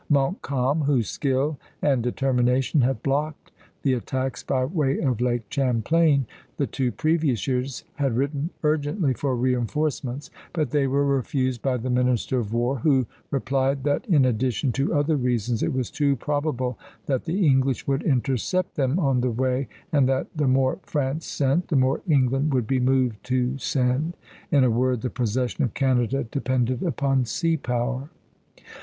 Montcalm, whose skill and determination had blocked the attacks by way of Lake Champlain the two previous years, had written urgently for reinforcements; but they were refused by the minister of war, who replied that in addition to other reasons it was too probable that the English would intercept them on the way, and that the more France sent, the more England would be moved to send. In a word, the possession of Canada depended upon sea power.